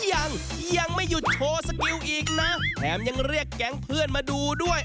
ยังยังไม่หยุดโชว์สกิลอีกนะแถมยังเรียกแก๊งเพื่อนมาดูด้วย